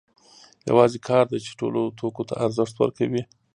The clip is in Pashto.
یوازې کار دی چې ټولو توکو ته ارزښت ورکوي